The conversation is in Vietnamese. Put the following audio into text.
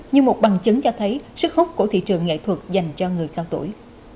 như một bằng chứng cho thấy sức hút của thị trường nghệ thuật dành cho người cao tuổi